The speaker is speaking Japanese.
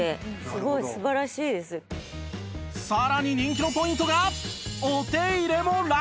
さらに人気のポイントが！